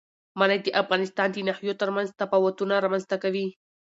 منی د افغانستان د ناحیو ترمنځ تفاوتونه رامنځ ته کوي.